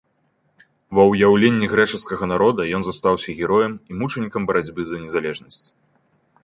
Ва ўяўленні грэчаскага народа ён застаўся героем і мучанікам барацьбы за незалежнасць.